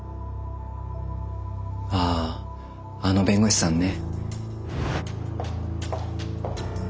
あああの弁護士さんね。